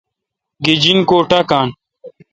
گیجن کو ٹا کان۔